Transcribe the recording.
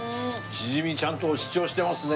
シジミちゃんと主張してますね。